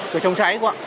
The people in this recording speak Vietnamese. cửa chống cháy